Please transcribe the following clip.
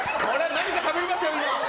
何かしゃべりましたよ！